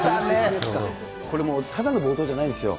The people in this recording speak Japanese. これもう、ただの暴投じゃないんですよ。